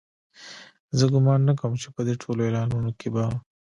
زه ګومان نه کوم چې په دې ټولو اعلانونو کې به.